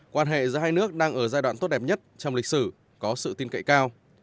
quan hệ giữa hai nước đang ở giai đoạn tốt đẹp nhất trong lịch sử có sự tin cậy cao